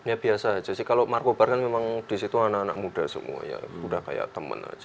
ya biasa aja sih kalau marco bar kan memang di situ anak anak muda semua ya mudah kayak teman aja sih